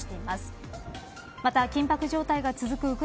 また、緊迫状態が続く